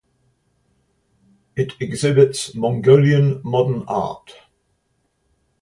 It exhibits Mongolian modern art.